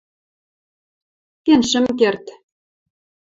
Кен шӹм керд.